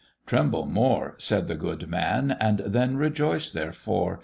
'Tremble more,' Said the good man, 'and then rejoice therefore!